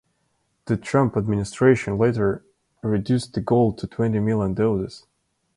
The Trump administration later reduced the goal to twenty million doses.